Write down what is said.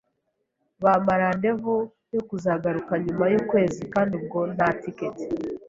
bampa rendez vous yo kuzagaruka nyuma y’ukwezi kandi ubwo nta ticket